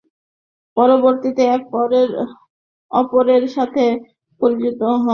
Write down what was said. পরবর্তীতে একে অপরের সাথে পরিচিত হন।